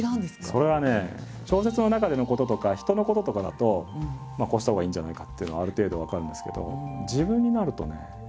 それはね小説の中でのこととか人のこととかだとこうしたほうがいいんじゃないかというのはある程度分かるんですけど。